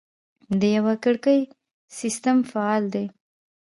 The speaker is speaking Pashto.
د یوه کړکۍ سیستم فعال دی؟